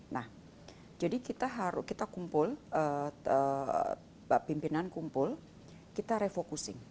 nah jadi kita kumpul pimpinan kumpul kita refocusing